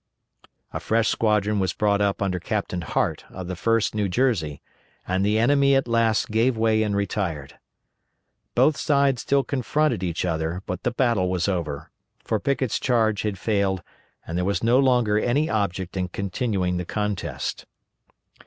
A fresh squadron was brought up under Captain Hart of the 1st New Jersey, and the enemy at last gave way and retired. Both sides still confronted each other, but the battle was over, for Pickett's charge had failed, and there was no longer any object in continuing the contest.